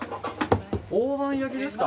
大判焼きですか！